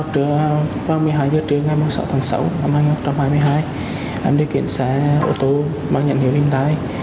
trước khoảng một mươi hai h trưa ngày sáu tháng sáu năm hai nghìn hai mươi hai em đưa kiến xe ô tô và nhận hiệu hiện tại